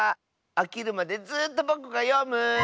あきるまでずっとぼくがよむ。